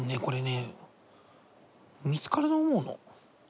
これね見つかると思うの。